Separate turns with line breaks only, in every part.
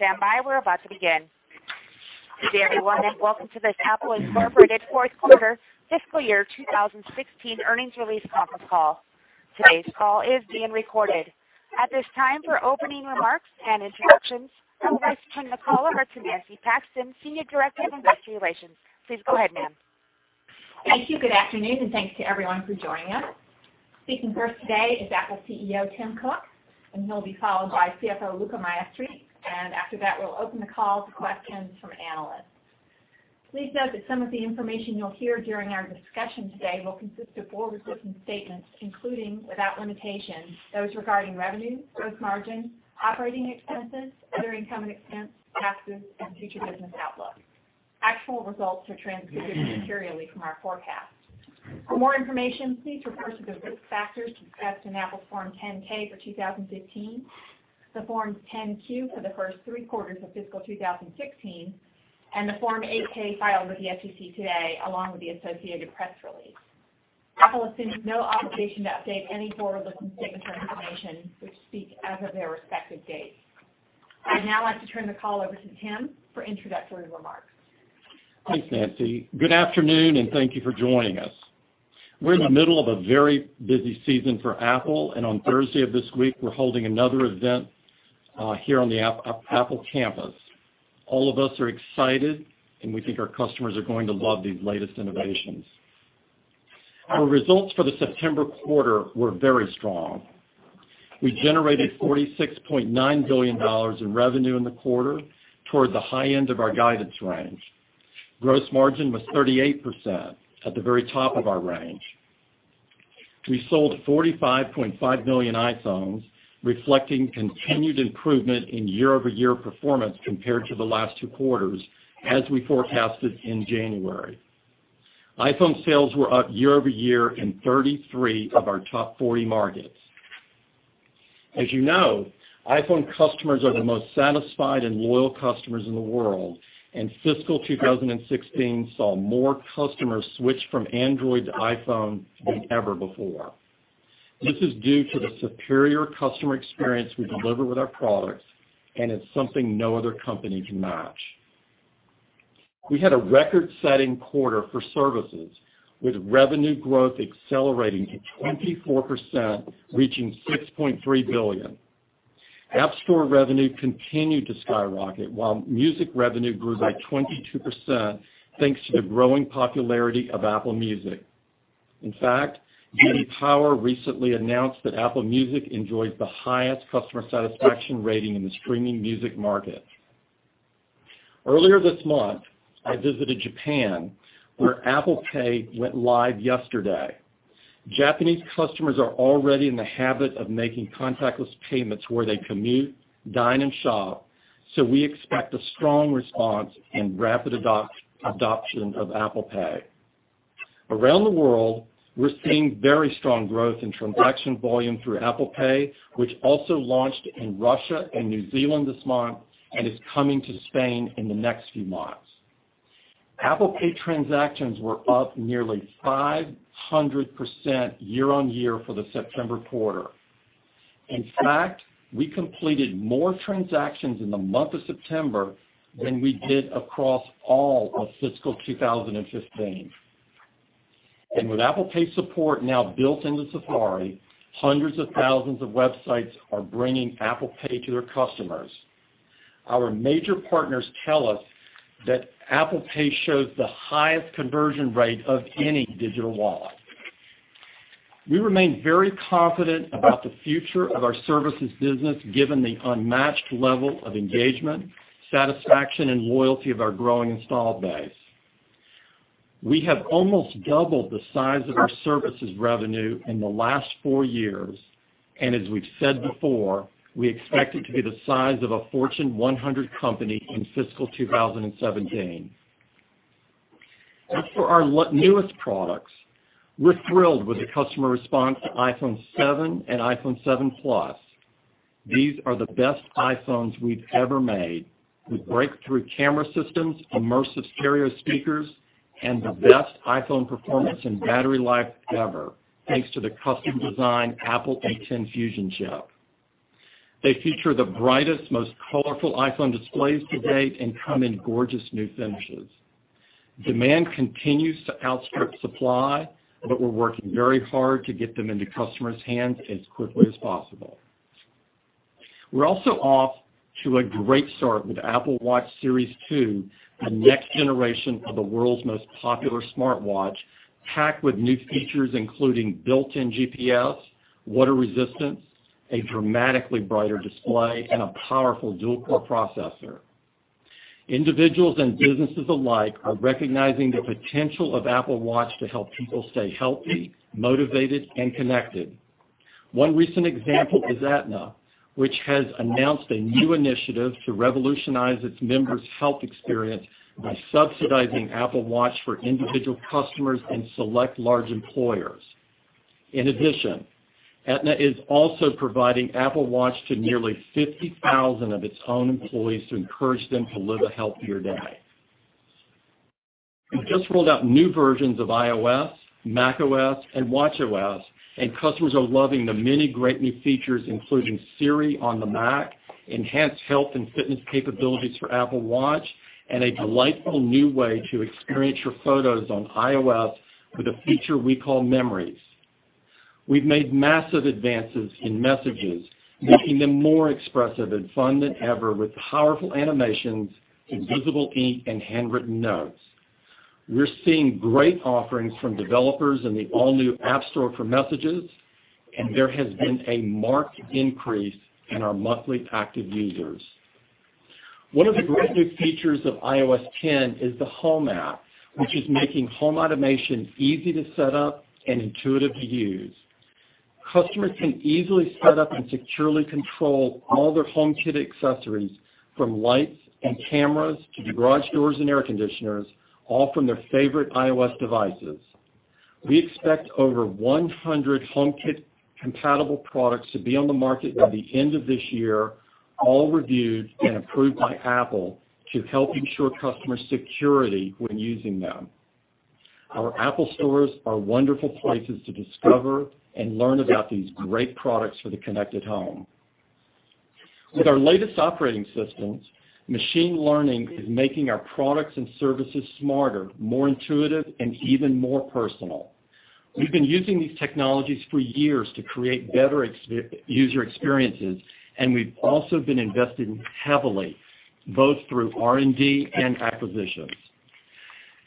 Please stand by. We're about to begin. Good day, everyone, and welcome to the Apple Inc. fourth quarter fiscal year 2016 earnings release conference call. Today's call is being recorded. At this time, for opening remarks and introductions, I would like to turn the call over to Nancy Paxton, Senior Director of Investor Relations. Please go ahead, ma'am.
Thank you. Good afternoon, and thanks to everyone for joining us. Speaking first today is Apple CEO Tim Cook, and he'll be followed by CFO Luca Maestri, and after that, we'll open the call to questions from analysts. Please note that some of the information you'll hear during our discussion today will consist of forward-looking statements, including, without limitation, those regarding revenue, gross margin, operating expenses, other income and expense, taxes, and future business outlook. Actual results could differ materially from our forecast. For more information, please refer to the risk factors discussed in Apple's Form 10-K for 2015, the Forms 10-Q for the first three quarters of fiscal 2016, and the Form 8-K filed with the SEC today, along with the associated press release. Apple assumes no obligation to update any forward-looking statements or information, which speak as of their respective dates. I'd now like to turn the call over to Tim for introductory remarks.
Thanks, Nancy. Good afternoon, and thank you for joining us. We're in the middle of a very busy season for Apple, and on Thursday of this week, we're holding another event here on the Apple campus. All of us are excited, and we think our customers are going to love these latest innovations. Our results for the September quarter were very strong. We generated $46.9 billion in revenue in the quarter, toward the high end of our guidance range. Gross margin was 38%, at the very top of our range. We sold 45.5 million iPhones, reflecting continued improvement in year-over-year performance compared to the last two quarters, as we forecasted in January. iPhone sales were up year-over-year in 33 of our top 40 markets. As you know, iPhone customers are the most satisfied and loyal customers in the world, and fiscal 2016 saw more customers switch from Android to iPhone than ever before. This is due to the superior customer experience we deliver with our products, and it's something no other company can match. We had a record-setting quarter for services, with revenue growth accelerating to 24%, reaching $6.3 billion. App Store revenue continued to skyrocket while music revenue grew by 22% thanks to the growing popularity of Apple Music. In fact, J.D. Power recently announced that Apple Music enjoys the highest customer satisfaction rating in the streaming music market. Earlier this month, I visited Japan, where Apple Pay went live yesterday. Japanese customers are already in the habit of making contactless payments where they commute, dine, and shop, so we expect a strong response and rapid adoption of Apple Pay. Around the world, we're seeing very strong growth in transaction volume through Apple Pay, which also launched in Russia and New Zealand this month and is coming to Spain in the next few months. Apple Pay transactions were up nearly 500% year-over-year for the September quarter. In fact, we completed more transactions in the month of September than we did across all of fiscal 2015. With Apple Pay support now built into Safari, hundreds of thousands of websites are bringing Apple Pay to their customers. Our major partners tell us that Apple Pay shows the highest conversion rate of any digital wallet. We remain very confident about the future of our services business given the unmatched level of engagement, satisfaction, and loyalty of our growing installed base. We have almost doubled the size of our services revenue in the last four years, and as we've said before, we expect it to be the size of a Fortune 100 company in fiscal 2017. As for our newest products, we're thrilled with the customer response to iPhone 7 and iPhone 7 Plus. These are the best iPhones we've ever made, with breakthrough camera systems, immersive stereo speakers, and the best iPhone performance and battery life ever thanks to the custom-designed Apple A10 Fusion chip. They feature the brightest, most colorful iPhone displays to date and come in gorgeous new finishes. Demand continues to outstrip supply, but we're working very hard to get them into customers' hands as quickly as possible. We're also off to a great start with Apple Watch Series 2, the next generation of the world's most popular smartwatch, packed with new features including built-in GPS, water resistance, a dramatically brighter display, and a powerful dual-core processor. Individuals and businesses alike are recognizing the potential of Apple Watch to help people stay healthy, motivated, and connected. One recent example is Aetna, which has announced a new initiative to revolutionize its members' health experience by subsidizing Apple Watch for individual customers and select large employers. In addition, Aetna is also providing Apple Watch to nearly 50,000 of its own employees to encourage them to live a healthier life. We just rolled out new versions of iOS, macOS, and watchOS. Customers are loving the many great new features, including Siri on the Mac, enhanced health and fitness capabilities for Apple Watch, and a delightful new way to experience your photos on iOS with a feature we call Memories. We've made massive advances in messages, making them more expressive and fun than ever with powerful animations, invisible ink, and handwritten notes. We're seeing great offerings from developers in the all-new App Store for messages. There has been a marked increase in our monthly active users. One of the great new features of iOS 10 is the Home app, which is making home automation easy to set up and intuitive to use. Customers can easily set up and securely control all their HomeKit accessories from lights and cameras to garage doors and air conditioners, all from their favorite iOS devices. We expect over 100 HomeKit-compatible products to be on the market by the end of this year, all reviewed and approved by Apple to help ensure customer security when using them. Our Apple stores are wonderful places to discover and learn about these great products for the connected home. With our latest operating systems, machine learning is making our products and services smarter, more intuitive, and even more personal. We've been using these technologies for years to create better user experiences. We've also been investing heavily, both through R&D and acquisitions.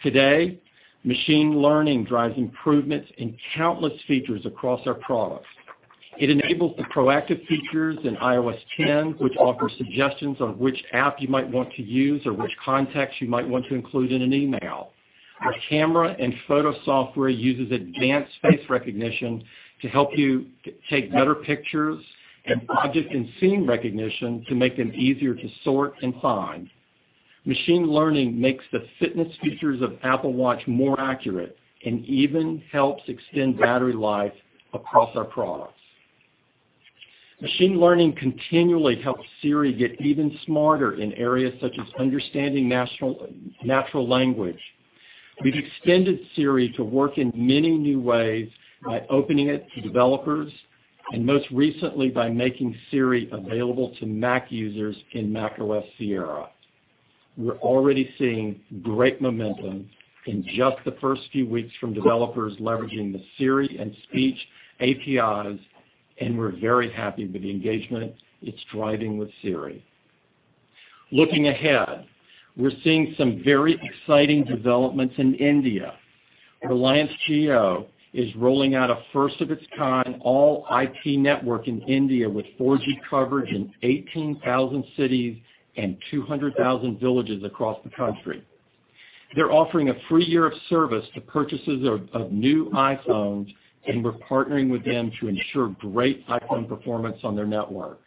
Today, machine learning drives improvements in countless features across our products. It enables the proactive features in iOS 10, which offers suggestions on which app you might want to use or which contacts you might want to include in an email. Our camera and photo software uses advanced face recognition to help you take better pictures and object and scene recognition to make them easier to sort and find. Machine learning makes the fitness features of Apple Watch more accurate and even helps extend battery life across our products. Machine learning continually helps Siri get even smarter in areas such as understanding natural language. We've extended Siri to work in many new ways by opening it to developers and most recently by making Siri available to Mac users in macOS Sierra. We're already seeing great momentum in just the first few weeks from developers leveraging the Siri and speech APIs. We're very happy with the engagement it's driving with Siri. Looking ahead, we're seeing some very exciting developments in India. Reliance Jio is rolling out a first-of-its-kind all IP network in India with 4G coverage in 18,000 cities and 200,000 villages across the country. They're offering a free year of service to purchasers of new iPhones. We're partnering with them to ensure great iPhone performance on their network.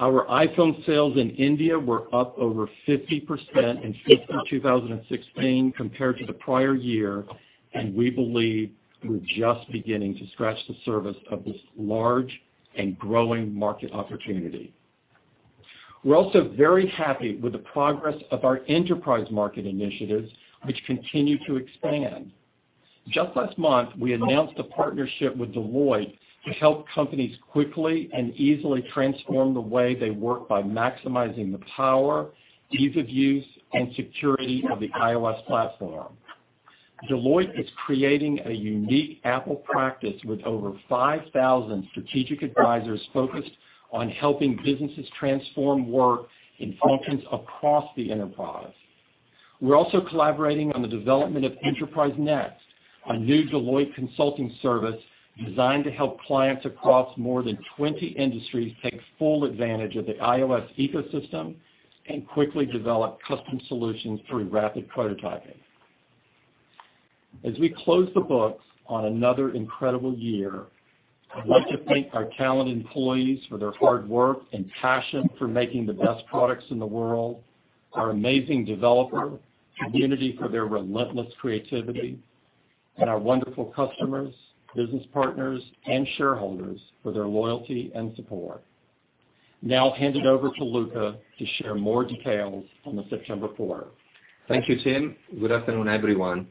Our iPhone sales in India were up over 50% in Q4 2016 compared to the prior year. We believe we're just beginning to scratch the surface of this large and growing market opportunity. We're also very happy with the progress of our enterprise market initiatives, which continue to expand. Just last month, we announced a partnership with Deloitte to help companies quickly and easily transform the way they work by maximizing the power, ease of use, and security of the iOS platform. Deloitte is creating a unique Apple practice with over 5,000 strategic advisors focused on helping businesses transform work in functions across the enterprise. We're also collaborating on the development of EnterpriseNext, a new Deloitte Consulting service designed to help clients across more than 20 industries take full advantage of the iOS ecosystem and quickly develop custom solutions through rapid prototyping. As we close the books on another incredible year, I'd like to thank our talented employees for their hard work and passion for making the best products in the world, our amazing developer community for their relentless creativity, and our wonderful customers, business partners, and shareholders for their loyalty and support. Now I'll hand it over to Luca to share more details on the September quarter.
Thank you, Tim. Good afternoon, everyone.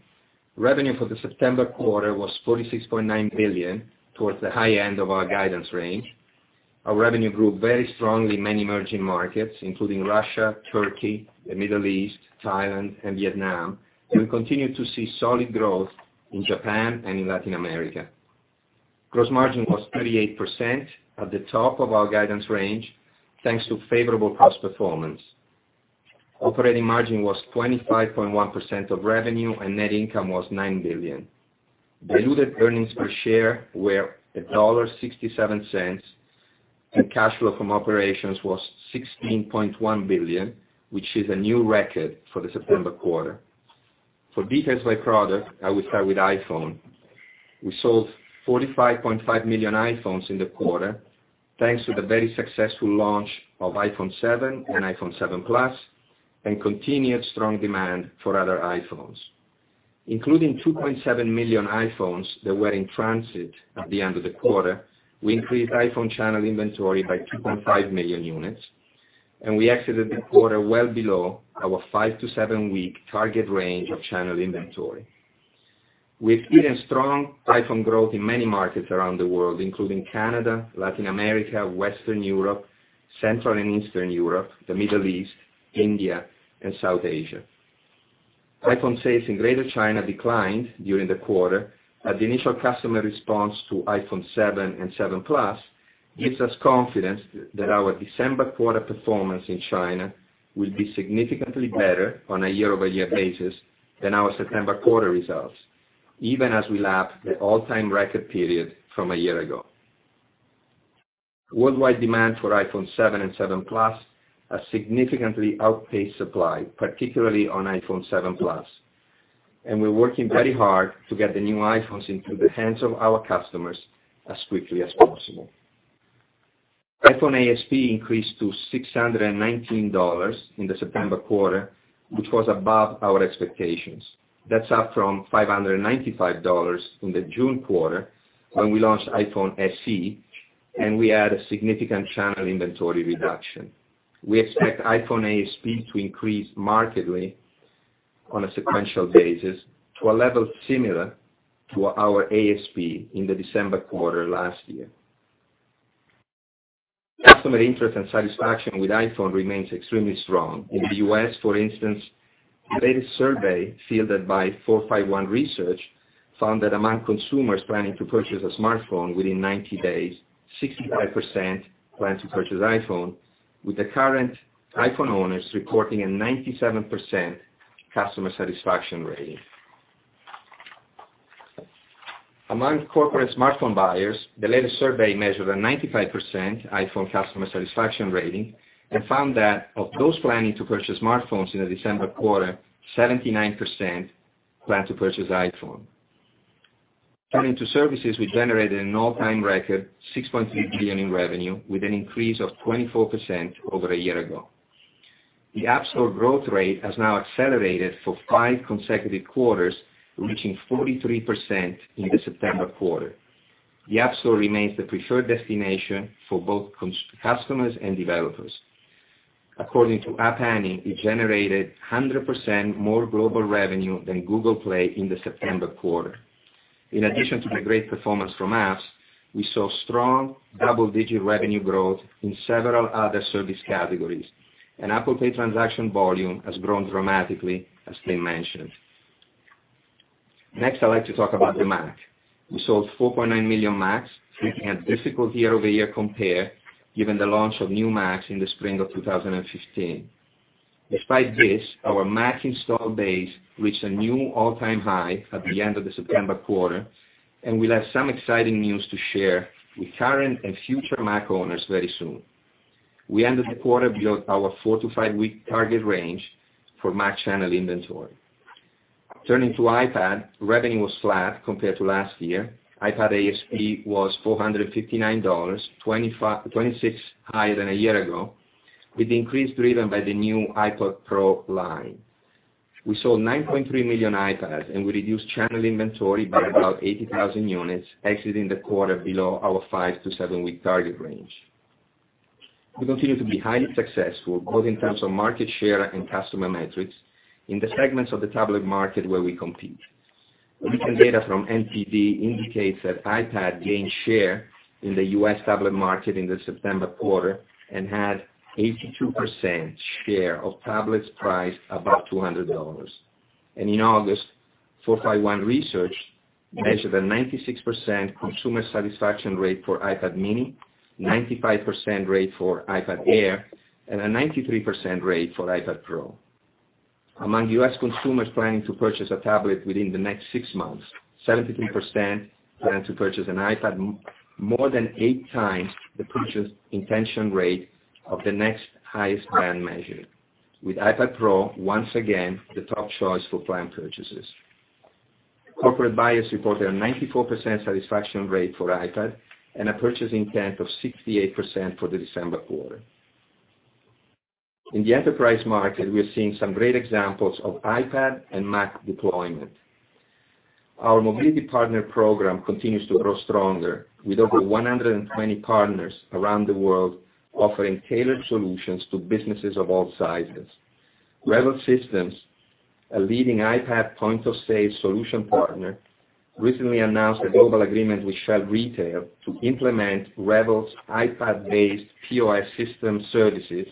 Revenue for the September quarter was $46.9 billion, towards the high end of our guidance range. Our revenue grew very strongly in many emerging markets, including Russia, Turkey, the Middle East, Thailand, and Vietnam. We continue to see solid growth in Japan and in Latin America. Gross margin was 38%, at the top of our guidance range, thanks to favorable cost performance. Operating margin was 25.1% of revenue, and net income was $9 billion. Diluted earnings per share were $1.67, and cash flow from operations was $16.1 billion, which is a new record for the September quarter. For details by product, I will start with iPhone. We sold 45.5 million iPhones in the quarter, thanks to the very successful launch of iPhone 7 and iPhone 7 Plus and continued strong demand for other iPhones. Including 2.7 million iPhones that were in transit at the end of the quarter, we increased iPhone channel inventory by 2.5 million units. We exited the quarter well below our five to seven-week target range of channel inventory. We've seen strong iPhone growth in many markets around the world, including Canada, Latin America, Western Europe, Central and Eastern Europe, the Middle East, India, and South Asia. iPhone sales in Greater China declined during the quarter, but the initial customer response to iPhone 7 and 7 Plus gives us confidence that our December quarter performance in China will be significantly better on a year-over-year basis than our September quarter results, even as we lap the all-time record period from a year ago. Worldwide demand for iPhone 7 and 7 Plus has significantly outpaced supply, particularly on iPhone 7 Plus, and we're working very hard to get the new iPhones into the hands of our customers as quickly as possible. iPhone ASP increased to $619 in the September quarter, which was above our expectations. That's up from $595 in the June quarter, when we launched iPhone SE and we had a significant channel inventory reduction. We expect iPhone ASP to increase markedly on a sequential basis to a level similar to our ASP in the December quarter last year. Customer interest and satisfaction with iPhone remains extremely strong. In the U.S., for instance, the latest survey fielded by 451 Research found that among consumers planning to purchase a smartphone within 90 days, 65% plan to purchase iPhone, with the current iPhone owners reporting a 97% customer satisfaction rating. Among corporate smartphone buyers, the latest survey measured a 95% iPhone customer satisfaction rating and found that of those planning to purchase smartphones in the December quarter, 79% plan to purchase iPhone. Turning to services, we generated an all-time record, $6.3 billion in revenue with an increase of 24% over a year ago. The App Store growth rate has now accelerated for five consecutive quarters, reaching 43% in the September quarter. The App Store remains the preferred destination for both customers and developers. According to App Annie, it generated 100% more global revenue than Google Play in the September quarter. In addition to the great performance from apps, we saw strong double-digit revenue growth in several other service categories, and Apple Pay transaction volume has grown dramatically, as Tim mentioned. Next, I'd like to talk about the Mac. We sold 4.9 million Macs, facing a difficult year-over-year compare given the launch of new Macs in the spring of 2015. Despite this, our Mac install base reached a new all-time high at the end of the September quarter, and we'll have some exciting news to share with current and future Mac owners very soon. We ended the quarter below our four to five-week target range for Mac channel inventory. Turning to iPad, revenue was flat compared to last year. iPad ASP was $459, 26 higher than a year ago, with the increase driven by the new iPad Pro line. We sold 9.3 million iPads, and we reduced channel inventory by about 80,000 units, exiting the quarter below our five to seven-week target range. We continue to be highly successful, both in terms of market share and customer metrics in the segments of the tablet market where we compete. Recent data from NPD indicates that iPad gained share in the U.S. tablet market in the September quarter and had 82% share of tablets priced above $200. In August, 451 Research measured a 96% consumer satisfaction rate for iPad mini, 95% rate for iPad Air, and a 93% rate for iPad Pro. Among U.S. consumers planning to purchase a tablet within the next six months, 73% plan to purchase an iPad, more than eight times the purchase intention rate of the next highest brand measured, with iPad Pro once again the top choice for planned purchases. Corporate buyers reported a 94% satisfaction rate for iPad and a purchase intent of 68% for the December quarter. In the enterprise market, we are seeing some great examples of iPad and Mac deployment. Our mobility partner program continues to grow stronger with over 120 partners around the world offering tailored solutions to businesses of all sizes. Revel Systems, a leading iPad point-of-sale solution partner, recently announced a global agreement with Shell Retail to implement Revel's iPad-based POS system services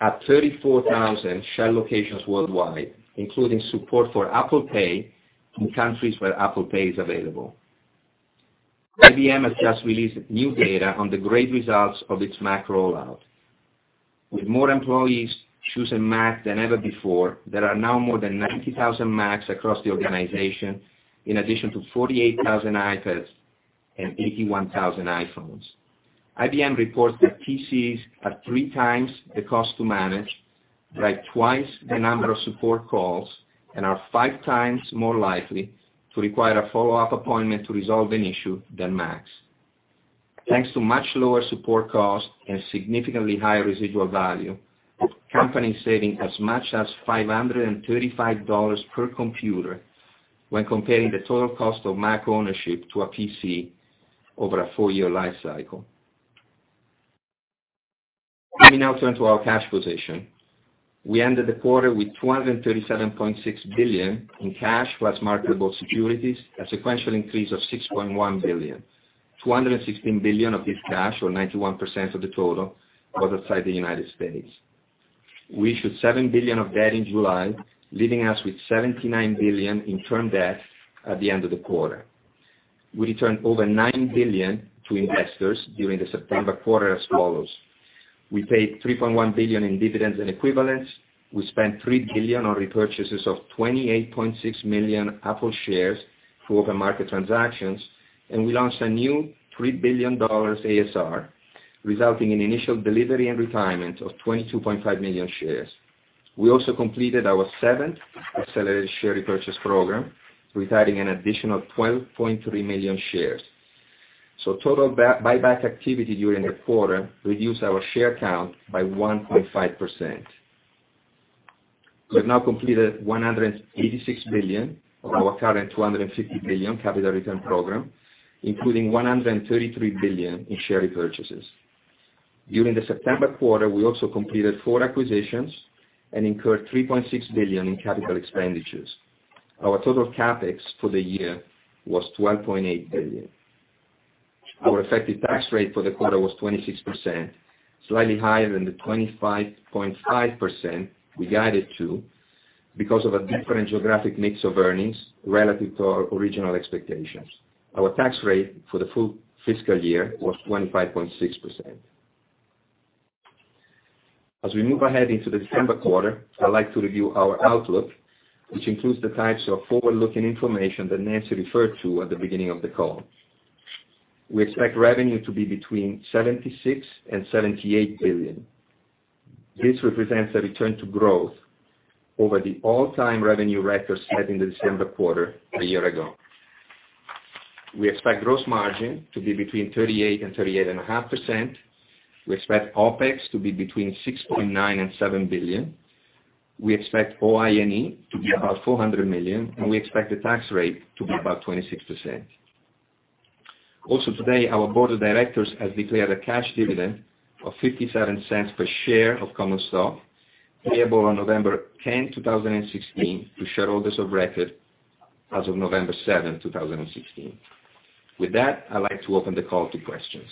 at 34,000 Shell locations worldwide, including support for Apple Pay in countries where Apple Pay is available. IBM has just released new data on the great results of its Mac rollout. With more employees choosing Mac than ever before, there are now more than 90,000 Macs across the organization, in addition to 48,000 iPads and 81,000 iPhones. IBM reports that PCs are three times the cost to manage, drive twice the number of support calls, and are five times more likely to require a follow-up appointment to resolve an issue than Macs. Thanks to much lower support costs and significantly higher residual value, companies saving as much as $535 per computer when comparing the total cost of Mac ownership to a PC over a four-year life cycle. Let me now turn to our cash position. We ended the quarter with $237.6 billion in cash plus marketable securities, a sequential increase of $6.1 billion. $216 billion of this cash, or 91% of the total, was outside the United States. We issued $7 billion of debt in July, leaving us with $79 billion in term debt at the end of the quarter. We returned over $9 billion to investors during the September quarter as follows: We paid $3.1 billion in dividends and equivalents, we spent $3 billion on repurchases of 28.6 million Apple shares through open market transactions, and we launched a new $3 billion ASR, resulting in initial delivery and retirement of 22.5 million shares. We also completed our seventh accelerated share repurchase program, retiring an additional 12.3 million shares. Total buyback activity during the quarter reduced our share count by 1.5%. We have now completed $186 billion of our current $250 billion capital return program, including $133 billion in share repurchases. During the September quarter, we also completed four acquisitions and incurred $3.6 billion in capital expenditures. Our total CapEx for the year was $12.8 billion. Our effective tax rate for the quarter was 26%, slightly higher than the 25.5% we guided to because of a different geographic mix of earnings relative to our original expectations. Our tax rate for the full fiscal year was 25.6%. We move ahead into the December quarter, I'd like to review our outlook, which includes the types of forward-looking information that Nancy referred to at the beginning of the call. We expect revenue to be between $76 billion-$78 billion. This represents a return to growth over the all-time revenue record set in the December quarter a year ago. We expect gross margin to be between 38%-38.5%. We expect OpEx to be between $6.9 billion-$7 billion. We expect OINE to be about $400 million, and we expect the tax rate to be about 26%. Today, our board of directors has declared a cash dividend of $0.57 per share of common stock, payable on November 10, 2016, to shareholders of record as of November 7, 2016. With that, I'd like to open the call to questions.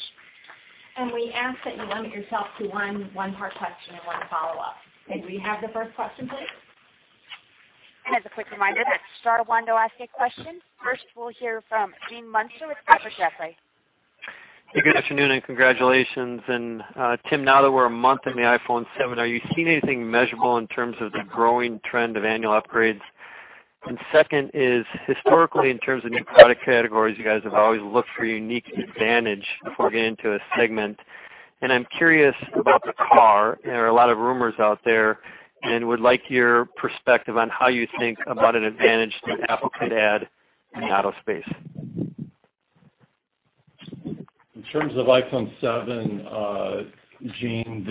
We ask that you limit yourself to one hard question and one follow-up. May we have the first question, please?
As a quick reminder, press star one to ask a question. First, we'll hear from Gene Munster with Piper Jaffray.
Hey, good afternoon and congratulations. Tim, now that we're a month in the iPhone 7, are you seeing anything measurable in terms of the growing trend of annual upgrades? Historically, in terms of new product categories, you guys have always looked for unique advantage before getting into a segment. I'm curious about the car. There are a lot of rumors out there. Would like your perspective on how you think about an advantage that Apple could add in the auto space.
In terms of iPhone 7, Gene,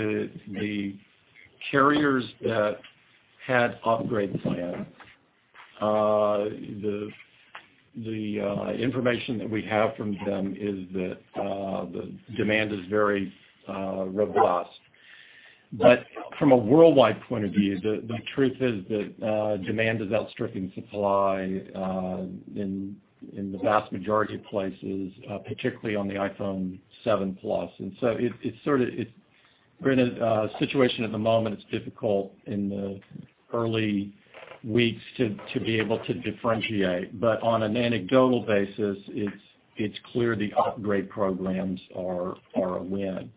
the carriers that had upgrade plans, the information that we have from them is that the demand is very robust. From a worldwide point of view, the truth is that demand is outstripping supply in the vast majority of places, particularly on the iPhone 7 Plus. We're in a situation at the moment, it's difficult in the early weeks to be able to differentiate. On an anecdotal basis, it's clear the upgrade programs are a win.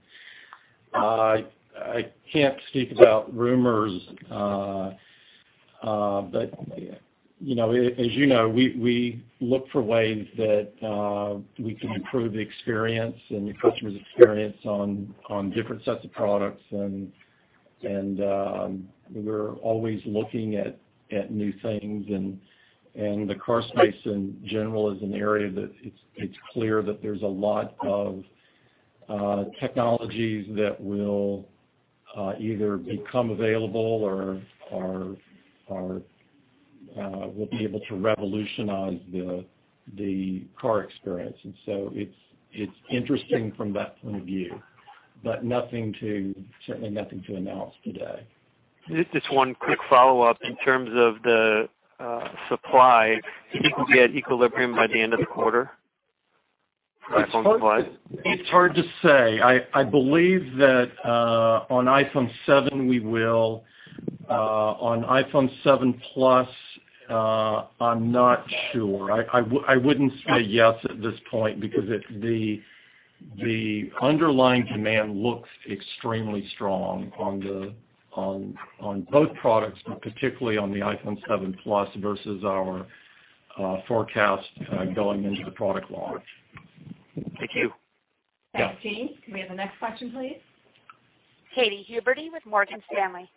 I can't speak about rumors. As you know, we look for ways that we can improve the experience and the customer's experience on different sets of products. We're always looking at new things, the car space in general is an area that it's clear that there's a lot of technologies that will either become available or will be able to revolutionize the car experience. It's interesting from that point of view, but certainly nothing to announce today.
Just one quick follow-up in terms of the supply. Do you think we'll be at equilibrium by the end of the quarter for iPhone supply?
It's hard to say. I believe that on iPhone 7 we will. On iPhone 7 Plus, I'm not sure. I wouldn't say yes at this point because the underlying demand looks extremely strong on both products, but particularly on the iPhone 7 Plus versus our forecast going into the product launch.
Thank you.
Yeah. Thanks, Gene. Can we have the next question, please?
Katy Huberty with Morgan Stanley.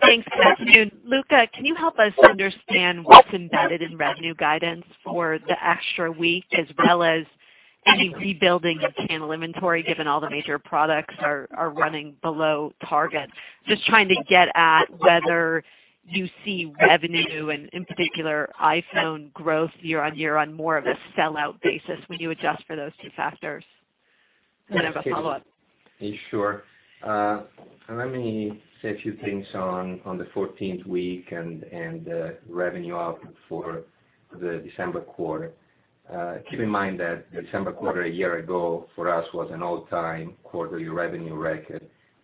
Thanks. Good afternoon. Luca, can you help us understand what's embedded in revenue guidance for the extra week as well as any rebuilding of channel inventory, given all the major products are running below target? Just trying to get at whether you see revenue and, in particular, iPhone growth year-on-year on more of a sellout basis when you adjust for those two factors. I have a follow-up.
Sure. Let me say a few things on the 14th week and the revenue outlook for the December quarter. Keep in mind that the December quarter a year ago for us was an all-time quarterly revenue record.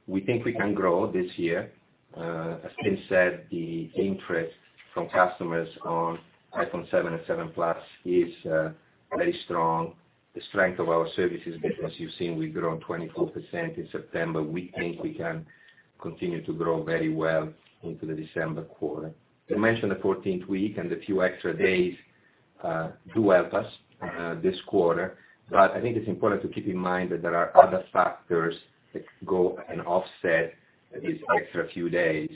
We think we can grow this year. As Tim said, the interest from customers on iPhone 7 and 7 Plus is very strong. The strength of our services business, you've seen, we grew 24% in September. We think we can continue to grow very well into the December quarter. You mentioned the 14th week, and the few extra days do help us this quarter. I think it's important to keep in mind that there are other factors that go and offset these extra few days.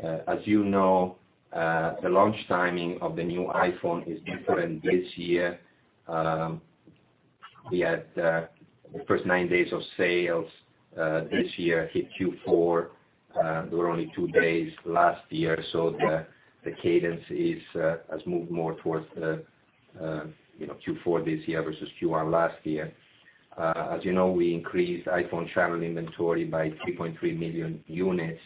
As you know, the launch timing of the new iPhone is different this year. We had the first nine days of sales this year hit Q4. There were only two days last year, the cadence has moved more towards Q4 this year versus Q1 last year. As you know, we increased iPhone channel inventory by 3.3 million units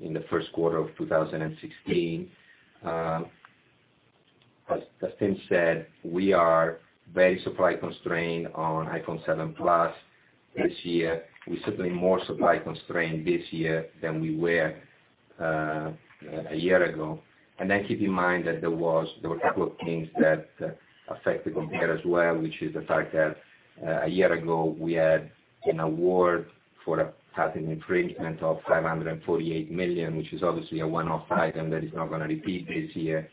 in the first quarter of 2016. As Tim said, we are very supply constrained on iPhone 7 Plus this year. We're certainly more supply constrained this year than we were a year ago. Keep in mind that there were a couple of things that affect the compare as well, which is the fact that a year ago, we had an award for a patent infringement of $548 million, which is obviously a one-off item that is not going to repeat this year.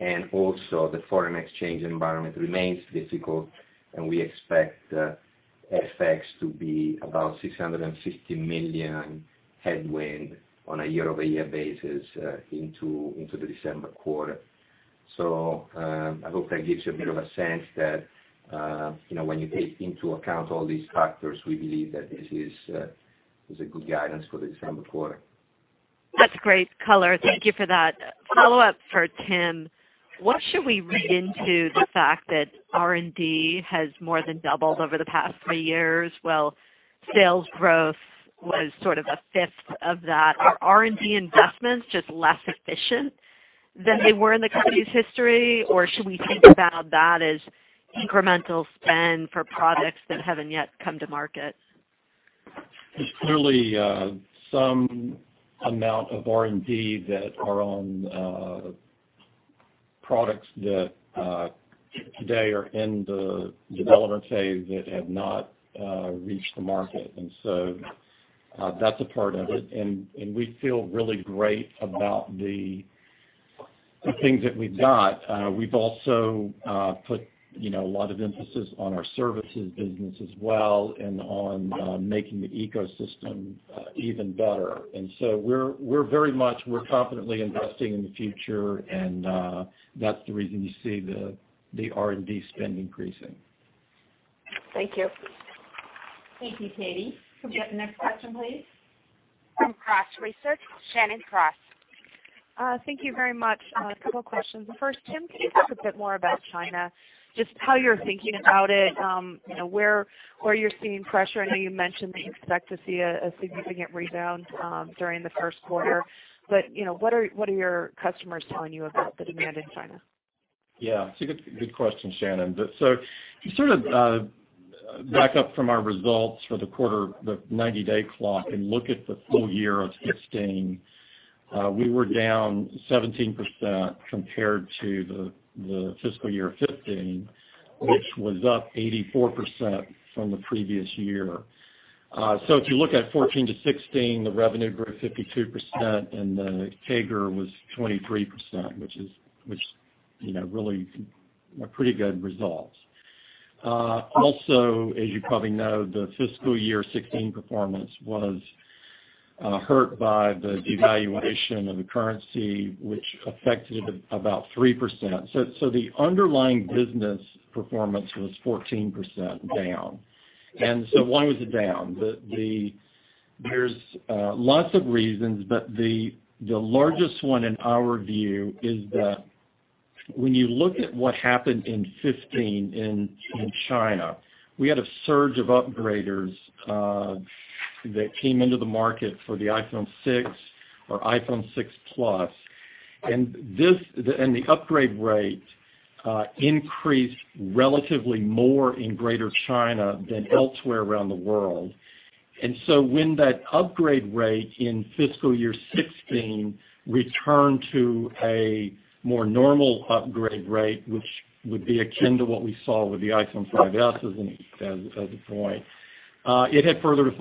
The foreign exchange environment remains difficult, and we expect FX to be about $650 million headwind on a year-over-year basis into the December quarter. I hope that gives you a bit of a sense that when you take into account all these factors, we believe that this is a good guidance for the December quarter.
That's great color. Thank you for that. Follow-up for Tim. What should we read into the fact that R&D has more than doubled over the past three years, while sales growth was sort of a fifth of that? Are R&D investments just less efficient than they were in the company's history, or should we think about that as incremental spend for products that haven't yet come to market?
There's clearly some amount of R&D that are on products that today are in the development phase that have not reached the market. That's a part of it. We feel really great about the things that we've got. We've also put a lot of emphasis on our services business as well and on making the ecosystem even better. We're confidently investing in the future, and that's the reason you see the R&D spend increasing.
Thank you.
Thank you, Katy. Could we get the next question, please?
From Cross Research, Shannon Cross.
Thank you very much. A couple questions. First, Tim, can you talk a bit more about China, just how you're thinking about it, where you're seeing pressure? I know you mentioned that you expect to see a significant rebound during the first quarter, what are your customers telling you about the demand in China?
Yeah. It's a good question, Shannon Cross. To sort of back up from our results for the quarter, the 90-day clock and look at the full year of 2016, we were down 17% compared to the fiscal year of 2015, which was up 84% from the previous year. If you look at 2014 to 2016, the revenue grew 52% and the CAGR was 23%, which really are pretty good results. Also, as you probably know, the fiscal year 2016 performance was hurt by the devaluation of the currency, which affected about 3%. The underlying business performance was 14% down. Why was it down? There's lots of reasons, but the largest one in our view is that when you look at what happened in 2015 in China, we had a surge of upgraders that came into the market for the iPhone 6 or iPhone 6 Plus. The upgrade rate increased relatively more in Greater China than elsewhere around the world. When that upgrade rate in fiscal year 2016 returned to a more normal upgrade rate, which would be akin to what we saw with the iPhone 5s as a point, it had further to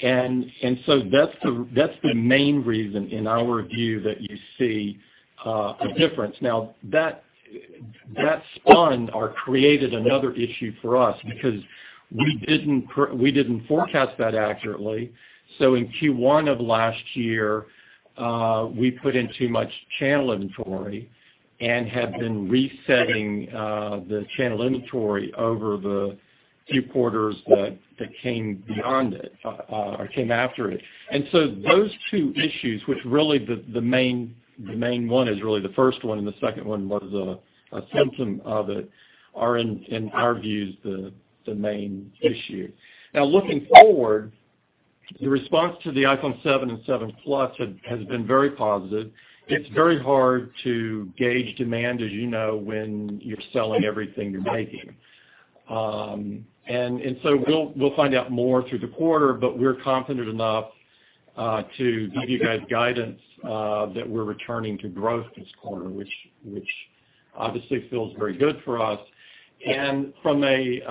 fall. That's the main reason, in our view, that you see a difference. Now, that spun or created another issue for us because We didn't forecast that accurately. In Q1 of last year, we put in too much channel inventory and have been resetting the channel inventory over the few quarters that came beyond it or came after it. Those two issues, which really the main one is really the first one and the second one was a symptom of it, are in our views, the main issue. Now looking forward, the response to the iPhone 7 and 7 Plus has been very positive. It's very hard to gauge demand, as you know, when you're selling everything you're making. We'll find out more through the quarter, but we're confident enough to give you guys guidance that we're returning to growth this quarter, which obviously feels very good for us. From a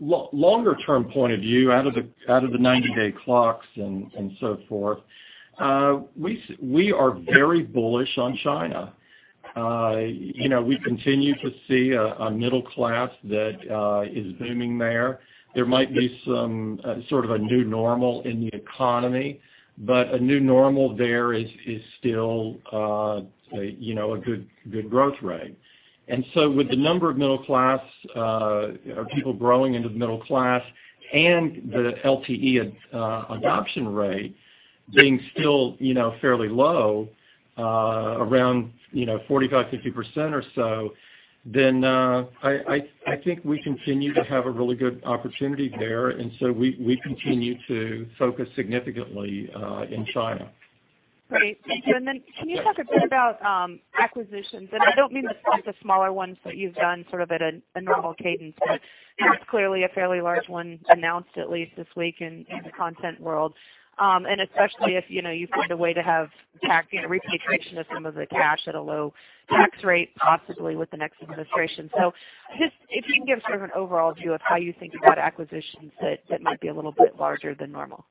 longer-term point of view, out of the 90-day clocks and so forth, we are very bullish on China. We continue to see a middle class that is booming there. There might be sort of a new normal in the economy, but a new normal there is still a good growth rate. With the number of people growing into the middle class and the LTE adoption rate being still fairly low, around 45%, 50% or so, I think we continue to have a really good opportunity there. We continue to focus significantly in China.
Great. Thank you. Can you talk a bit about acquisitions? I don't mean the sorts of smaller ones that you've done sort of at a normal cadence, but there's clearly a fairly large one announced at least this week in the content world. Especially if you find a way to have repatriation of some of the cash at a low tax rate, possibly with the next administration. Just if you can give sort of an overall view of how you think about acquisitions that might be a little bit larger than normal.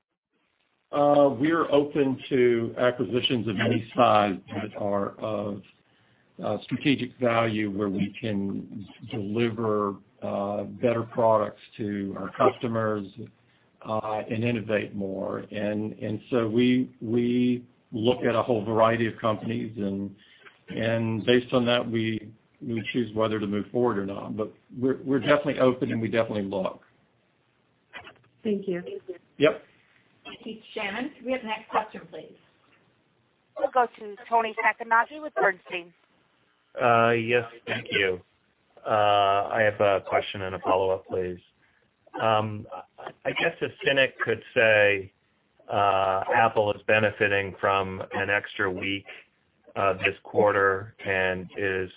We're open to acquisitions of any size that are of strategic value, where we can deliver better products to our customers and innovate more. We look at a whole variety of companies, and based on that, we choose whether to move forward or not. We're definitely open, and we definitely look.
Thank you.
Yep.
Thank you. Shannon, can we have the next question, please?
We'll go to Tony Sacconaghi with Bernstein.
Yes, thank you. I have a question and a follow-up, please. I guess a cynic could say Apple is benefiting from an extra week this quarter and is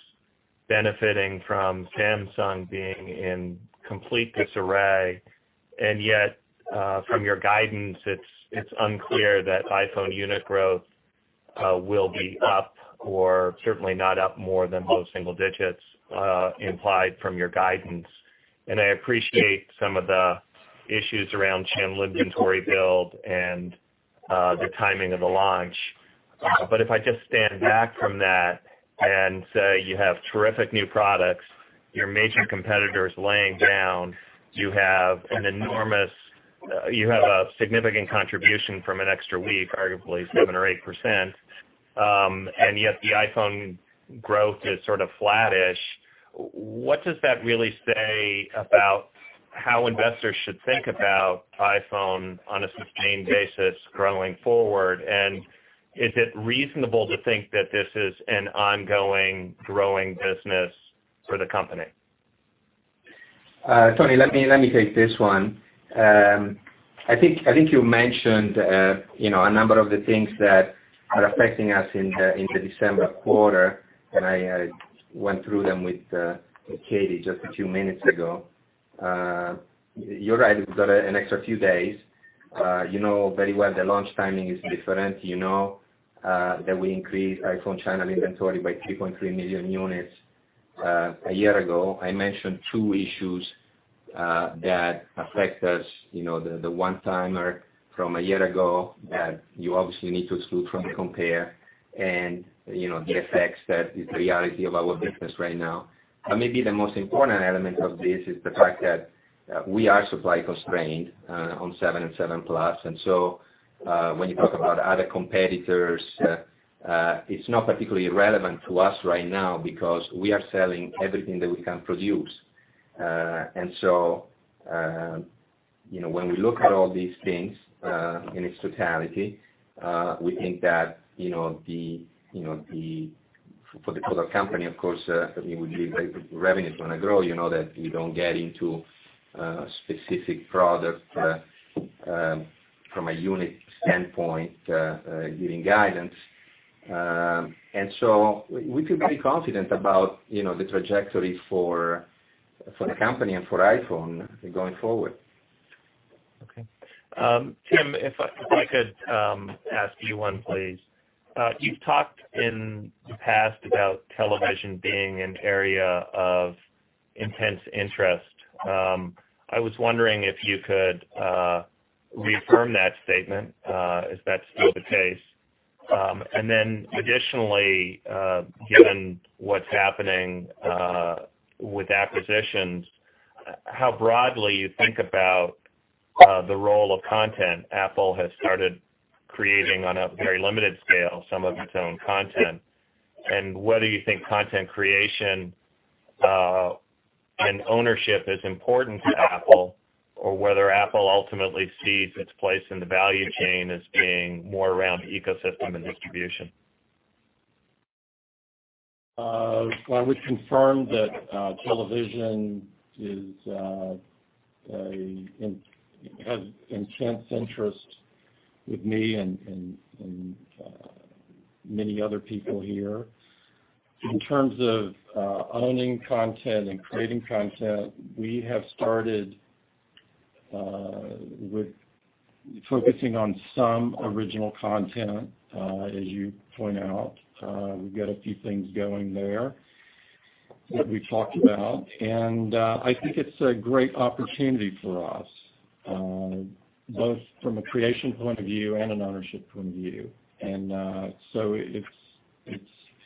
benefiting from Samsung being in complete disarray. Yet, from your guidance, it's unclear that iPhone unit growth will be up or certainly not up more than low single digits implied from your guidance. I appreciate some of the issues around channel inventory build and the timing of the launch. If I just stand back from that and say you have terrific new products, your major competitor is laying down, you have a significant contribution from an extra week, arguably 7% or 8%, and yet the iPhone growth is sort of flattish. What does that really say about how investors should think about iPhone on a sustained basis growing forward? Is it reasonable to think that this is an ongoing growing business for the company?
Tony, let me take this one. I think you mentioned a number of the things that are affecting us in the December quarter, and I went through them with Katy just a few minutes ago. You're right, we've got an extra few days. You know very well the launch timing is different. You know that we increased iPhone China inventory by 3.3 million units a year ago. I mentioned two issues that affect us, the one-timer from a year ago that you obviously need to exclude from compare and the effects that is the reality of our business right now. Maybe the most important element of this is the fact that we are supply constrained on 7 and 7 Plus. When you talk about other competitors, it's not particularly relevant to us right now because we are selling everything that we can produce.
When we look at all these things in its totality, we think that for the total company, of course, we believe revenue's going to grow, that you don't get into a specific product from a unit standpoint giving guidance. We feel very confident about the trajectory for the company and for iPhone going forward.
Okay. Tim, if I could ask you one, please. You've talked in the past about television being an area of intense interest. I was wondering if you could reaffirm that statement. Is that still the case? Additionally, given what's happening with acquisitions, how broadly you think about the role of content Apple has started creating on a very limited scale, some of its own content, and whether you think content creation and ownership is important to Apple, or whether Apple ultimately sees its place in the value chain as being more around ecosystem and distribution.
Well, I would confirm that television has intense interest with me and many other people here. In terms of owning content and creating content, we have started with focusing on some original content, as you point out. We've got a few things going there that we talked about, and I think it's a great opportunity for us, both from a creation point of view and an ownership point of view. It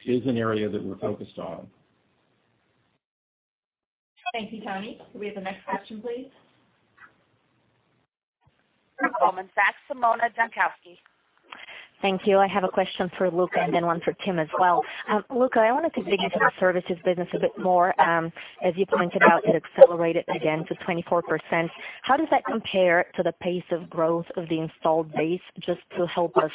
is an area that we're focused on.
Thank you, Tony. Could we have the next question, please? Goldman Sachs, Simona Jankowski.
Thank you. I have a question for Luca and then one for Tim as well. Luca, I wanted to dig into the services business a bit more. As you pointed out, it accelerated again to 24%. How does that compare to the pace of growth of the installed base, just to help us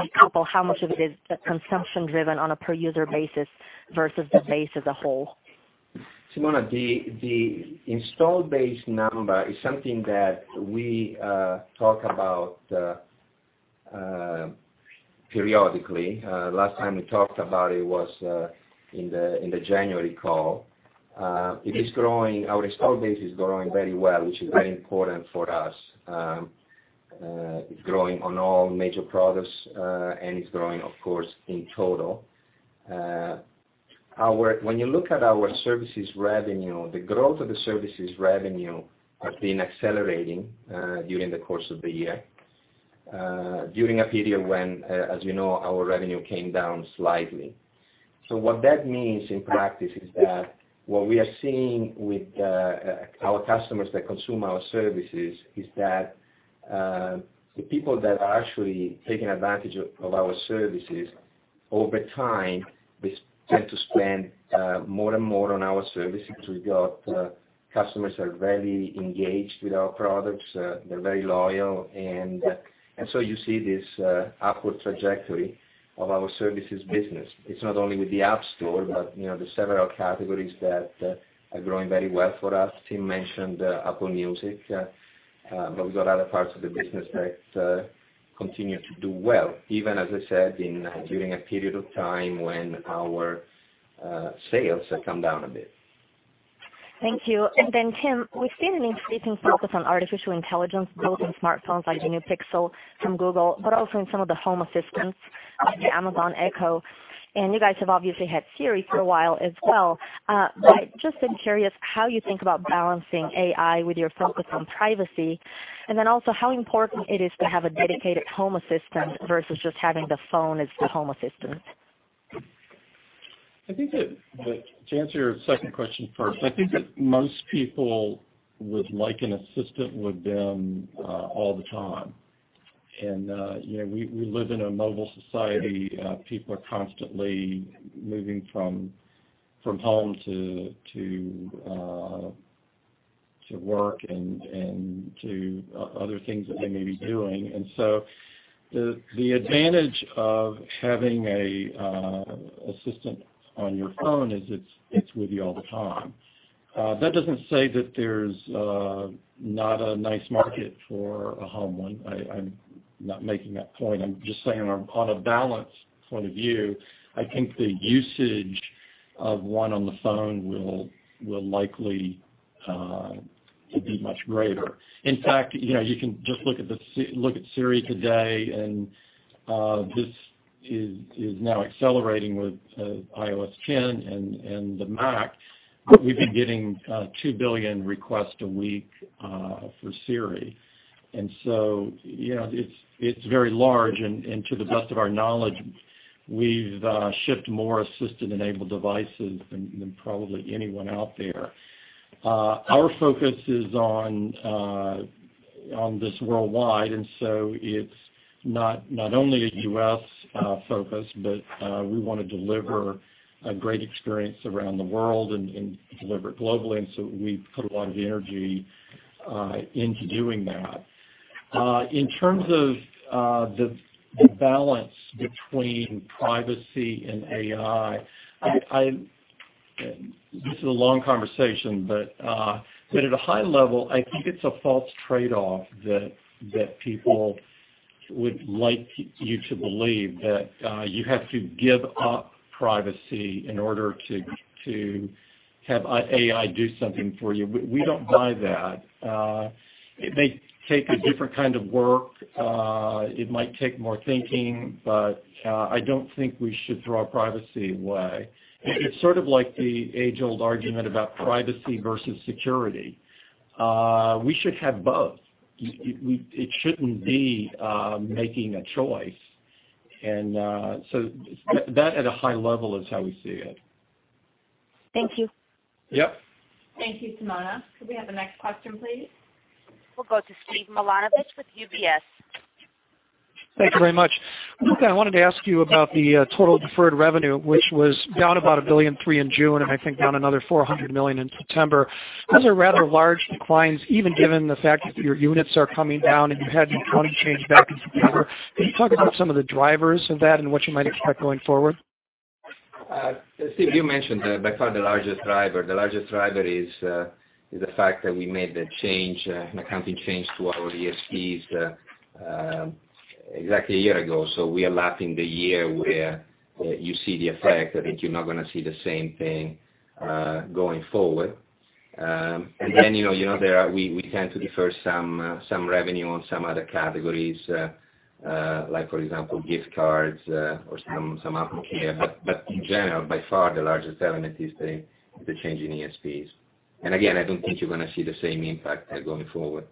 decouple how much of it is consumption driven on a per user basis versus the base as a whole?
Simona, the installed base number is something that we talk about periodically. Last time we talked about it was in the January call. Our install base is growing very well, which is very important for us. It's growing on all major products, and it's growing, of course, in total. When you look at our services revenue, the growth of the services revenue has been accelerating during the course of the year, during a period when, as you know, our revenue came down slightly. What that means in practice is that what we are seeing with our customers that consume our services is that the people that are actually taking advantage of our services, over time, they tend to spend more and more on our services. We've got customers that are very engaged with our products. They're very loyal, you see this upward trajectory of our services business. It's not only with the App Store, there's several categories that are growing very well for us. Tim mentioned Apple Music, we've got other parts of the business that continue to do well, even, as I said, during a period of time when our sales have come down a bit.
Thank you. Tim, we've seen an increasing focus on artificial intelligence, both in smartphones like the new Pixel from Google, but also in some of the home assistants like the Amazon Echo. You guys have obviously had Siri for a while as well. Just am curious how you think about balancing AI with your focus on privacy, and then also how important it is to have a dedicated home assistant versus just having the phone as the home assistant.
To answer your second question first, I think that most people would like an assistant with them all the time. We live in a mobile society. People are constantly moving from home to work and to other things that they may be doing. The advantage of having an assistant on your phone is it's with you all the time. That doesn't say that there's not a nice market for a home one. I'm not making that point. I'm just saying on a balance point of view, I think the usage of one on the phone will likely be much greater. In fact, you can just look at Siri today. This is now accelerating with iOS 10 and the Mac. We've been getting 2 billion requests a week for Siri. Yeah, it's very large. To the best of our knowledge, we've shipped more assistant-enabled devices than probably anyone out there. Our focus is on this worldwide. It's not only a U.S. focus, but we want to deliver a great experience around the world and deliver it globally. We've put a lot of energy into doing that. In terms of the balance between privacy and AI, this is a long conversation, but at a high level, I think it's a false trade-off that people would like you to believe that you have to give up privacy in order to have AI do something for you. We don't buy that. It may take a different kind of work, it might take more thinking, but I don't think we should throw our privacy away. It's sort of like the age-old argument about privacy versus security. We should have both. It shouldn't be making a choice. That at a high level is how we see it.
Thank you.
Yep.
Thank you, Simona. Could we have the next question, please?
We'll go to Steve Milunovich with UBS.
Thank you very much. Luca, I wanted to ask you about the total deferred revenue, which was down about $1.3 billion in June, and I think down another $400 million in September. Those are rather large declines, even given the fact that your units are coming down and you had an accounting change back in September. Can you talk about some of the drivers of that and what you might expect going forward?
Steve, you mentioned by far the largest driver. The largest driver is the fact that we made the change, an accounting change to our ESPs exactly a year ago. We are lapping the year where you see the effect. I think you're not going to see the same thing going forward. Then we tend to defer some revenue on some other categories, like for example, gift cards or some AppleCare. In general, by far the largest element is the change in ESPs. Again, I don't think you're going to see the same impact there going forward.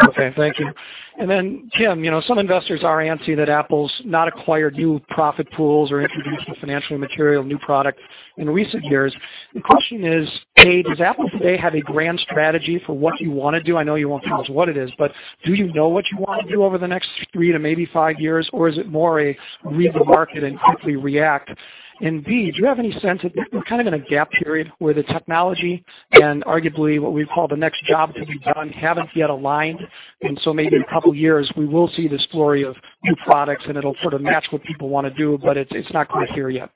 Okay, thank you. Tim, some investors are antsy that Apple's not acquired new profit pools or introduced a financially material new product in recent years. The question is, A, does Apple today have a grand strategy for what you want to do? I know you won't tell us what it is, but do you know what you want to do over the next three to maybe five years? Is it more a read the market and quickly react? B, do you have any sense if we're in a gap period where the technology and arguably what we call the next job to be done haven't yet aligned? Maybe in a couple of years, we will see this flurry of new products and it'll sort of match what people want to do, but it's not quite here yet.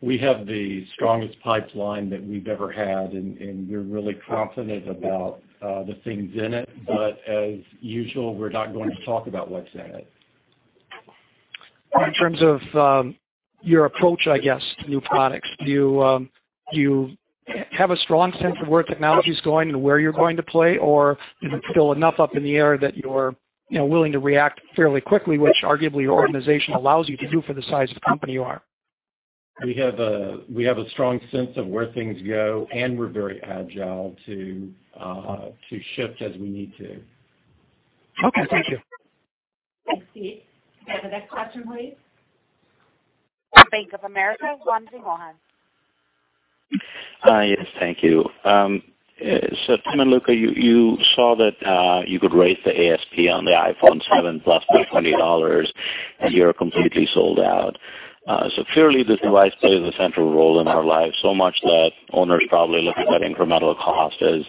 We have the strongest pipeline that we've ever had, and we're really confident about the things in it. As usual, we're not going to talk about what's in it.
In terms of your approach, I guess, to new products, do you have a strong sense of where technology's going and where you're going to play? Is it still enough up in the air that you're willing to react fairly quickly, which arguably your organization allows you to do for the size of the company you are?
We have a strong sense of where things go. We're very agile to shift as we need to.
Okay. Thank you.
Thanks, Steve. Can I have the next question, please?
Bank of America, Wamsi Mohan.
Yes. Thank you. Tim and Luca, you saw that you could raise the ASP on the iPhone 7 Plus by $20, and you're completely sold out. Clearly this device plays a central role in our lives, so much that owners probably look at that incremental cost as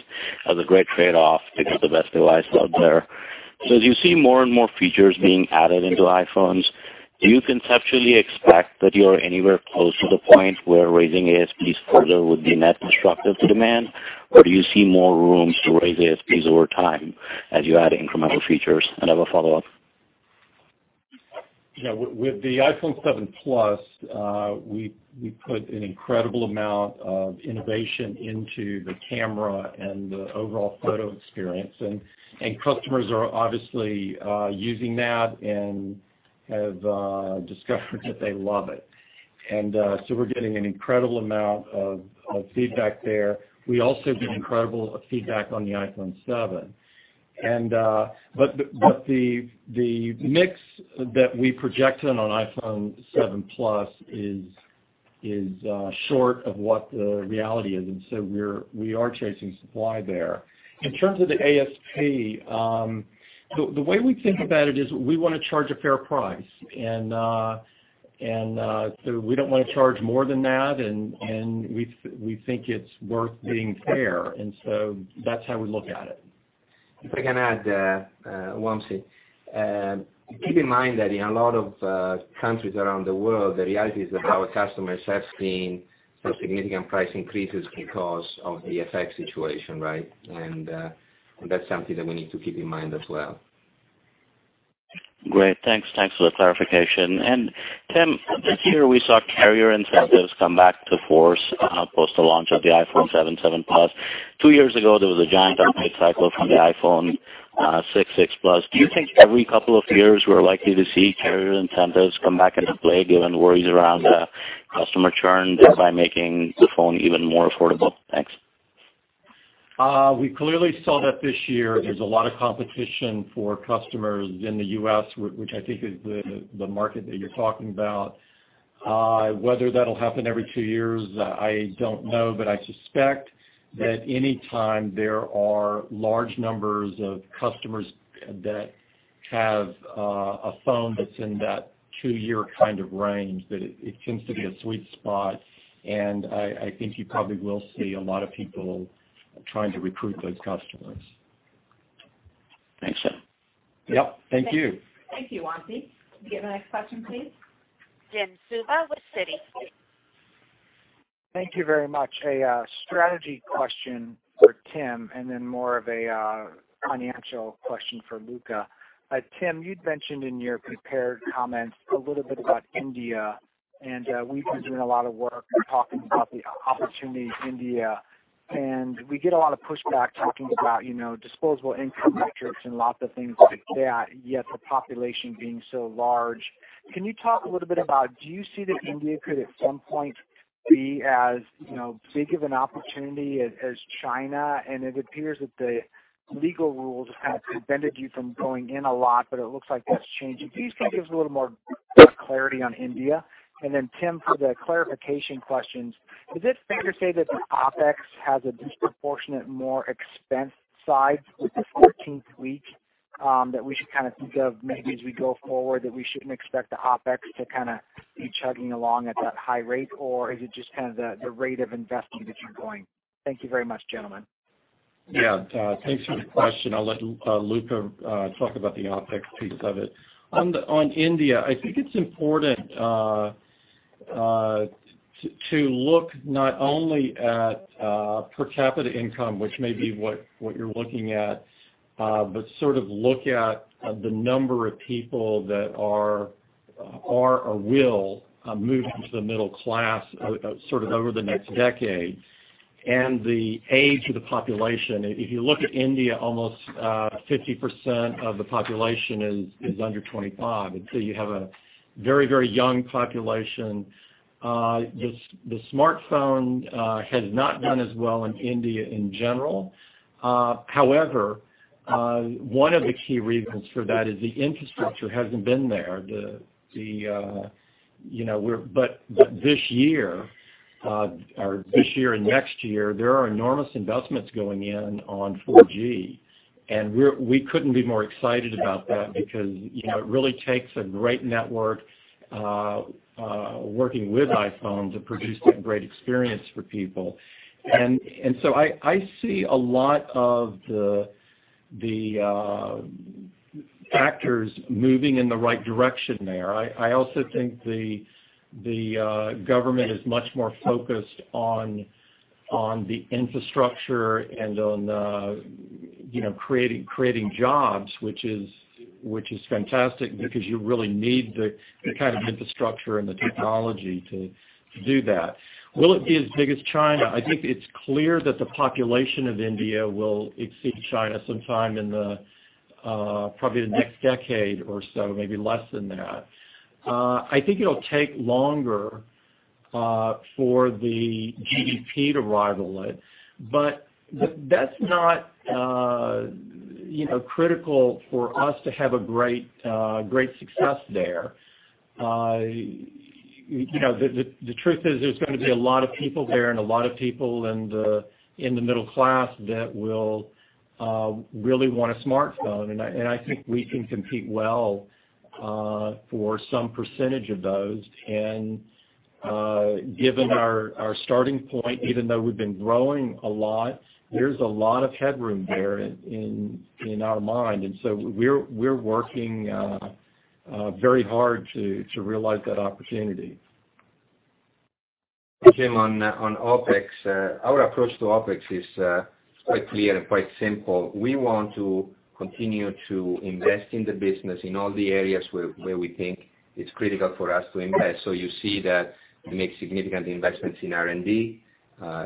a great trade-off to get the best device out there. As you see more and more features being added into iPhones, do you conceptually expect that you're anywhere close to the point where raising ASPs further would be net destructive to demand? Do you see more rooms to raise ASPs over time as you add incremental features? I have a follow-up.
With the iPhone 7 Plus, we put an incredible amount of innovation into the camera and the overall photo experience, and customers are obviously using that and have discovered that they love it. We're getting an incredible amount of feedback there. We also get incredible feedback on the iPhone 7. The mix that we projected on iPhone 7 Plus is short of what the reality is, we are chasing supply there. In terms of the ASP, the way we think about it is we want to charge a fair price, we don't want to charge more than that, and we think it's worth being fair, that's how we look at it.
If I can add, Wamsi. Keep in mind that in a lot of countries around the world, the reality is that our customers have seen some significant price increases because of the FX situation, right? That's something that we need to keep in mind as well.
Great. Thanks for the clarification. Tim, this year we saw carrier incentives come back to force post the launch of the iPhone 7 Plus. Two years ago, there was a giant upgrade cycle from the iPhone 6 Plus. Do you think every couple of years, we're likely to see carrier incentives come back into play given worries around customer churn just by making the phone even more affordable? Thanks.
We clearly saw that this year there's a lot of competition for customers in the U.S., which I think is the market that you're talking about. Whether that'll happen every two years, I don't know. I suspect that any time there are large numbers of customers that have a phone that's in that two-year kind of range, that it seems to be a sweet spot, and I think you probably will see a lot of people trying to recruit those customers.
Thanks, Tim.
Yep. Thank you.
Thank you, Wamsi. Can we get the next question, please?
Jim Suva with Citi.
Thank you very much. A strategy question for Tim, then more of a financial question for Luca. Tim, you'd mentioned in your prepared comments a little bit about India, we've been doing a lot of work talking about the opportunity in India. We get a lot of pushback talking about disposable income metrics and lots of things like that, yet the population being so large. Can you talk a little bit about, do you see that India could at some point be as big of an opportunity as China, it appears that the legal rules have prevented you from going in a lot, but it looks like that's changing. Can you just give us a little more clarity on India? Tim, for the clarification questions, is it fair to say that the OpEx has a disproportionate, more expense side with the 14th week, that we should think of maybe as we go forward, that we shouldn't expect the OpEx to be chugging along at that high rate, or is it just the rate of investing that you're going? Thank you very much, gentlemen.
Thanks for the question. I'll let Luca talk about the OpEx piece of it. On India, I think it's important to look not only at per capita income, which may be what you're looking at, but look at the number of people that are or will move into the middle class over the next decade, and the age of the population. If you look at India, almost 50% of the population is under 25. You have a very young population. The smartphone has not done as well in India in general. However, one of the key reasons for that is the infrastructure hasn't been there. This year and next year, there are enormous investments going in on 4G, and we couldn't be more excited about that because it really takes a great network, working with iPhone, to produce a great experience for people. I see a lot of the factors moving in the right direction there. I also think the government is much more focused on the infrastructure and on creating jobs, which is fantastic because you really need the kind of infrastructure and the technology to do that. Will it be as big as China? I think it's clear that the population of India will exceed China sometime in probably the next decade or so, maybe less than that. I think it'll take longer for the GDP to rival it, but that's not critical for us to have a great success there. The truth is, there's going to be a lot of people there and a lot of people in the middle class that will really want a smartphone, and I think we can compete well for some percentage of those. Given our starting point, even though we've been growing a lot, there's a lot of headroom there in our mind. We're working very hard to realize that opportunity.
Jim, on OpEx, our approach to OpEx is quite clear and quite simple. We want to continue to invest in the business in all the areas where we think it's critical for us to invest. You see that we make significant investments in R&D.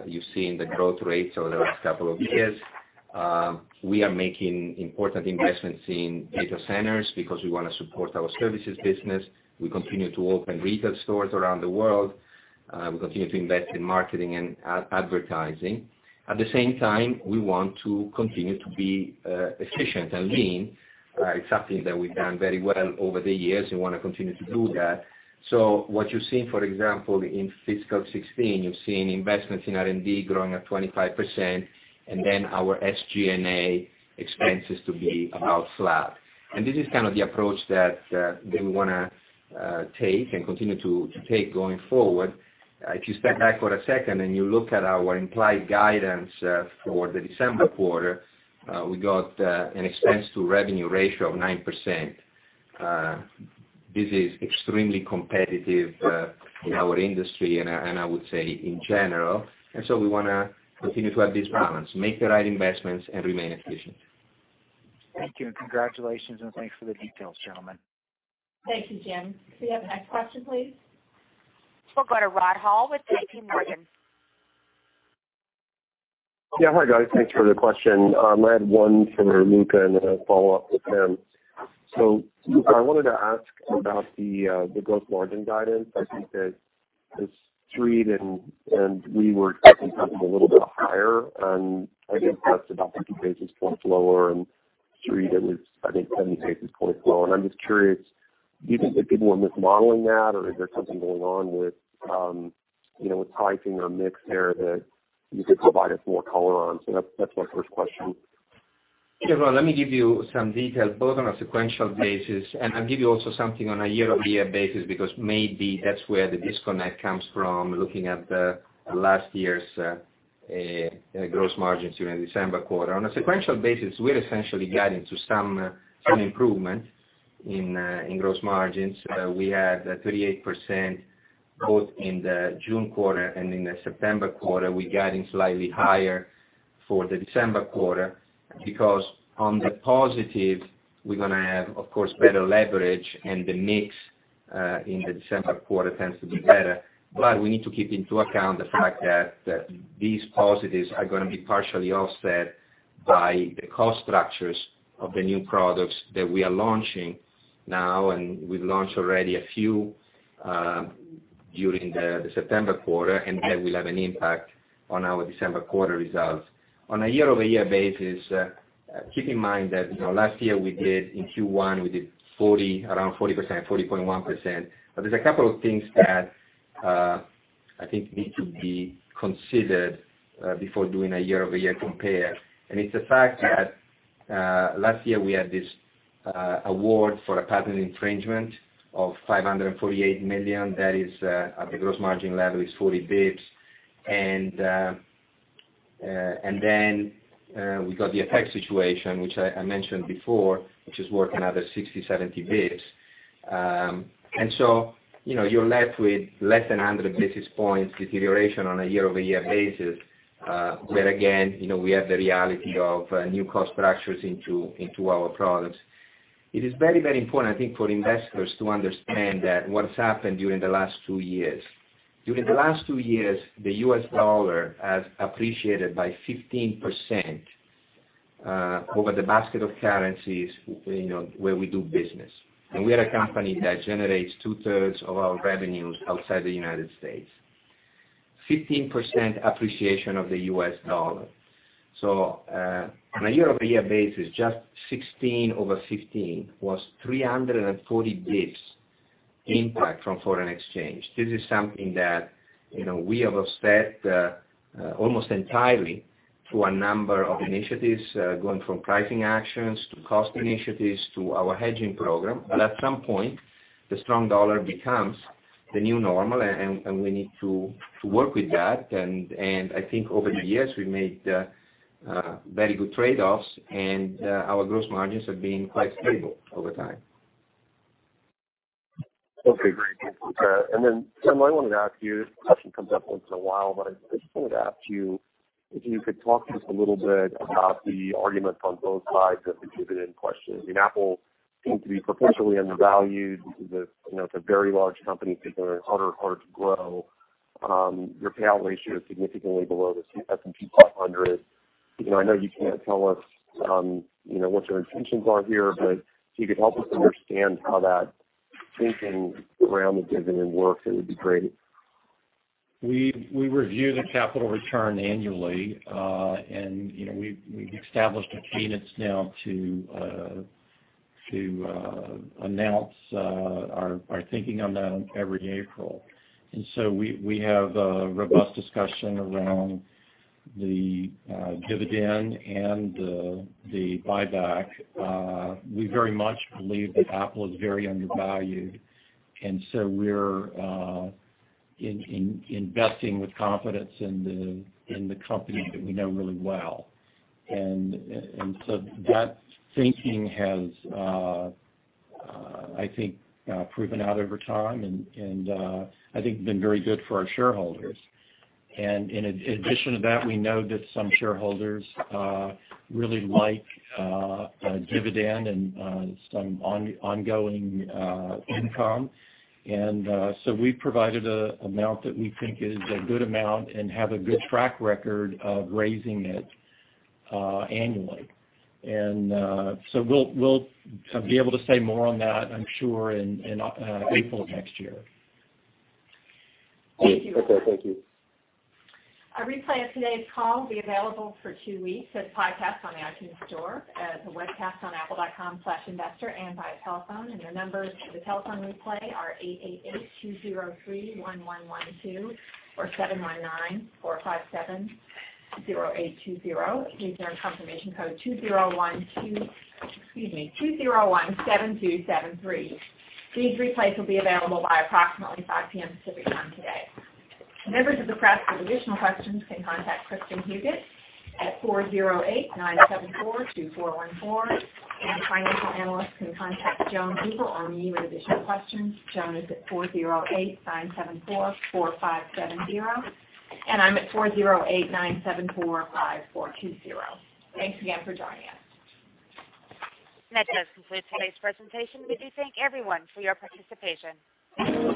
You've seen the growth rates over the last couple of years. We are making important investments in data centers because we want to support our services business. We continue to open retail stores around the world. We continue to invest in marketing and advertising. At the same time, we want to continue to be efficient and lean. It's something that we've done very well over the years and want to continue to do that. What you've seen, for example, in fiscal 2016, you've seen investments in R&D growing at 25%, and then our SG&A expenses to be about flat. This is the approach that we want to take and continue to take going forward. If you step back for a second and you look at our implied guidance for the December quarter, we got an expense-to-revenue ratio of 9%. This is extremely competitive in our industry and, I would say, in general. We want to continue to have this balance, make the right investments, and remain efficient.
Thank you, congratulations, thanks for the details, gentlemen.
Thank you, Jim. Could we have the next question, please?
We'll go to Rod Hall with JP Morgan.
Yeah. Hi, guys. Thanks for the question. I had one for Luca, and then a follow-up with Tim. Luca, I wanted to ask about the gross margin guidance. I think that as Street and we were expecting something a little bit higher, and I think that's about 50 basis points lower, and Street it was, I think, 70 basis points lower. I'm just curious, do you think that people are mismodeling that, or is there something going on with pricing or mix there that you could provide us more color on? That's my first question.
Yeah, Rod, let me give you some details, both on a sequential basis, and I'll give you also something on a year-over-year basis, because maybe that's where the disconnect comes from, looking at the last year's gross margins during the December quarter. On a sequential basis, we're essentially guiding to some improvement in gross margins. We had 38% both in the June quarter and in the September quarter. We're guiding slightly higher for the December quarter because on the positive, we're going to have, of course, better leverage and the mix in the December quarter tends to be better. We need to keep into account the fact that these positives are going to be partially offset by the cost structures of the new products that we are launching. Now, we've launched already a few during the September quarter, and that will have an impact on our December quarter results. On a year-over-year basis, keep in mind that last year in Q1, we did around 40%, 40.1%. There's a couple of things that I think need to be considered before doing a year-over-year compare, and it's the fact that last year we had this award for a patent infringement of $548 million. That at the gross margin level is 40 basis points. Then we got the FX situation, which I mentioned before, which is worth another 60, 70 basis points. You're left with less than 100 basis points deterioration on a year-over-year basis, where again, we have the reality of new cost structures into our products. It is very, very important, I think, for investors to understand what's happened during the last two years. During the last two years, the U.S. dollar has appreciated by 15% over the basket of currencies where we do business, and we are a company that generates two-thirds of our revenues outside the U.S. 15% appreciation of the U.S. dollar. On a year-over-year basis, just 16 over 15 was 340 basis points impact from foreign exchange. This is something that we have offset almost entirely through a number of initiatives, going from pricing actions to cost initiatives to our hedging program. At some point, the strong dollar becomes the new normal, and we need to work with that. I think over the years, we made very good trade-offs, and our gross margins have been quite stable over time.
Okay, great. Then, Tim, I wanted to ask you, this question comes up once in a while, I just wanted to ask you if you could talk just a little bit about the argument from both sides of the dividend question. Apple seems to be perpetually undervalued because it's a very large company, figuring it's harder and harder to grow. Your payout ratio is significantly below the S&P 500. I know you can't tell us what your intentions are here, if you could help us understand how that thinking around the dividend works, it would be great.
We review the capital return annually. We've established a cadence now to announce our thinking on that every April. We have a robust discussion around the dividend and the buyback. We very much believe that Apple is very undervalued. We're investing with confidence in the company that we know really well. That thinking has, I think, proven out over time and I think been very good for our shareholders. In addition to that, we know that some shareholders really like a dividend and some ongoing income. We've provided an amount that we think is a good amount and have a good track record of raising it annually. We'll be able to say more on that, I'm sure, in April of next year.
Okay. Thank you.
A replay of today's call will be available for 2 weeks as podcast on the iTunes Store, as a webcast on apple.com/investor, and via telephone. The numbers for the telephone replay are 888-203-1112 or 719-457-0820. Please enter confirmation code 2017273. These replays will be available by approximately 5:00 P.M., Pacific Time today. Members of the press with additional questions can contact Kristin Huguet at 408-974-2414, and financial analysts can contact Joan Eagle or me with additional questions. Joan is at 408-974-4570, and I'm at 408-974-5420. Thanks again for joining us.
That does conclude today's presentation. We do thank everyone for your participation.